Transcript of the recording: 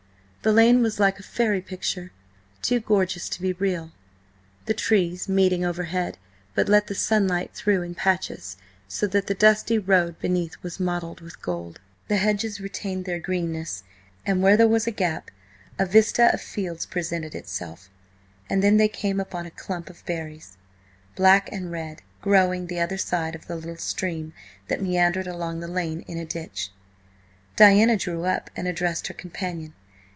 The lane was like a fairy picture, too gorgeous to be real; the trees, meeting overhead, but let the sunlight through in patches, so that the dusty road beneath was mottled with gold. The hedges retained their greenness, and where there was a gap a vista of fields presented itself. And then they came upon a clump of berries, black and red, growing the other side of the little stream that meandered along the lane in a ditch. Diana drew up and addressed her companion.